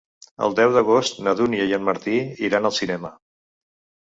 El deu d'agost na Dúnia i en Martí iran al cinema.